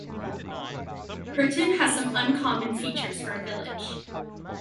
Pirton has some uncommon features for a village.